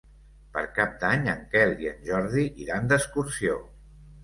Per Cap d'Any en Quel i en Jordi iran d'excursió.